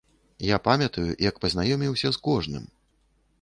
Я памятаю, як пазнаёміўся з кожным!